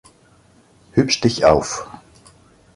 Hübsch dich auf!